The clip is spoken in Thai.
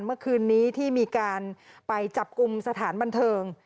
เมื่อคืนนี้ที่มีการไปจับกลุ่มสถานบันเทิง